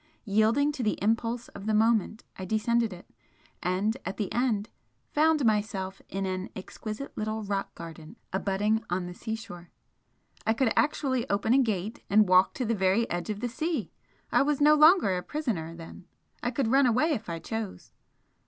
Yielding to the impulse of the moment, I descended it, and at the end found myself in an exquisite little rock garden abutting on the seashore. I could actually open a gate, and walk to the very edge of the sea. I was no longer a prisoner, then! I could run away if I chose!